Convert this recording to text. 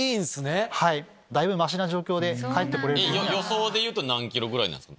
予想でいうと何ｋｍぐらいなんですか？